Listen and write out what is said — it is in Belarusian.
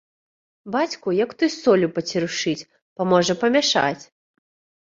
Бацьку, як той соллю пацярушыць, паможа памяшаць.